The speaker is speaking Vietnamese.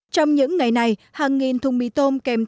trong những ngày này hàng nghìn thùng mì tôm kèm